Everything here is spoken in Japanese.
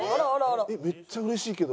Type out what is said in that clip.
めっちゃ嬉しいけど。